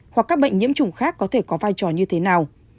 hoặc các bệnh nhiễm chủng khác có thể có vai trò